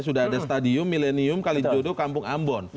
sudah ada stadium milenium kalijodo kampung ambon